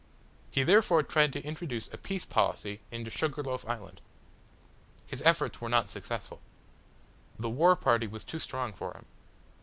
He therefore tried to introduce a peace policy into Sugar loaf Island. His efforts were not successful. The war party was too strong for him.